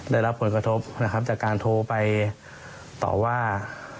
ได้รับผลกระทบนะครับจากการโทรไปต่อว่า